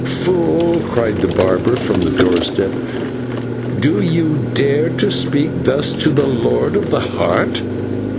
"Fool!" cried the barber from the doorstep; "do you dare to speak thus to the Lord of the Heart?"